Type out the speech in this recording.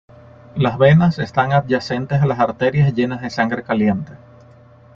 Las venas están adyacentes a las arterias llenas de sangre caliente.